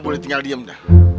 oh itu apa